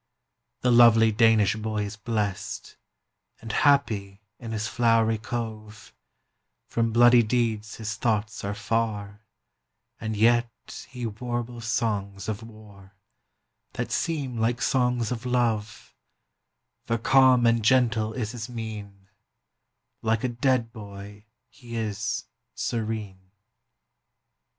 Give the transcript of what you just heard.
The lovely Danish boy is blest, And happy in his flowery cove: 50 From bloody deeds his thoughts are far; And yet he warbles songs of war, That seem like songs of love, For calm and gentle is his mien; Like a dead boy he is serene.